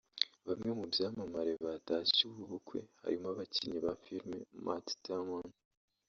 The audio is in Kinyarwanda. Bamwe mu byamamare byatashye ubu bukwe harimo abakinnyi ba filime Matt Damon